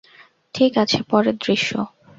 ঠিক আছে, পরের দৃশ্য।